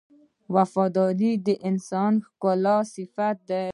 • وفاداري د انسان ښکلی صفت دی.